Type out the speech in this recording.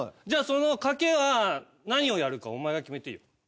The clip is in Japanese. じゃあその賭けは何をやるかお前が決めていいよ。